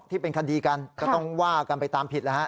ที่เป็นคดีกันก็ต้องว่ากันไปตามผิดแล้วฮะ